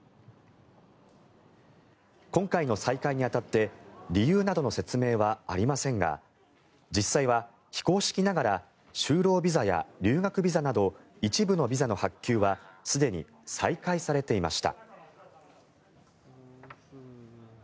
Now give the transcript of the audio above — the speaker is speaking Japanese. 今回の再開に当たって理由などの説明はありませんが実際は非公式ながら就労ビザや留学ビザなど一部のビザの発給はすでに再開されていました。